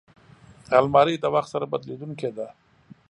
الماري د وخت سره بدلېدونکې ده